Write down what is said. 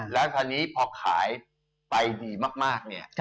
แล้วคราวนี้พอขายไปดีมากเนี่ย